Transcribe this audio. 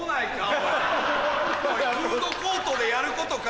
フードコートでやることか？